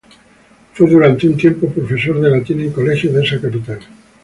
Fue durante un tiempo profesor de latín en colegios de esa capital.